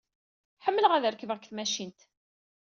Ḥemmleɣ ad rekbeɣ deg tmacinin.